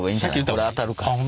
俺当たるから。